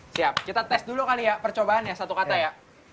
siap kita tes dulu kali ya percobaannya satu kata ya